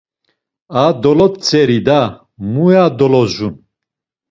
A dolotzeri da, muya dolodzun.